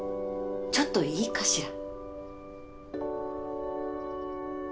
ちょっといいかしら？